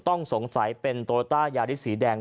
ต้องสงสัยเป็นโตโยต้ายาริสสีแดง